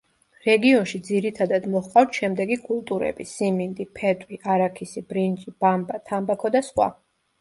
რეგიონში ძირითადად მოჰყავთ შემდეგი კულტურები სიმინდი, ფეტვი, არაქისი, ბრინჯი, ბამბა, თამბაქო და სხვა.